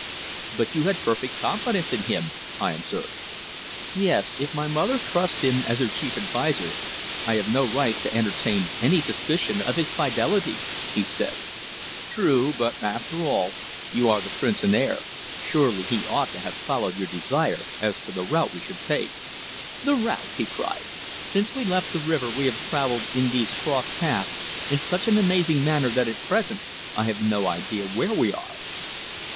"But you had perfect confidence in him," I observed. "Yes. If my mother trusts him as her chief adviser I have no right to entertain any suspicion of his fidelity," he said. "True, but, after all, you are the Prince and heir. Surely he ought to have followed your desire as to the route we should take." "The route!" he cried. "Since we left the river we have travelled in these cross paths in such an amazing manner that at present I have no idea where we are."